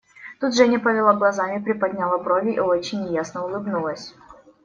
Тут Женя повела глазами, приподняла брови и очень неясно улыбнулась.